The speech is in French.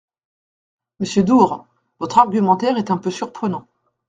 Monsieur Door, votre argumentaire est un peu surprenant.